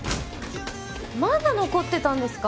まだ残ってたんですか？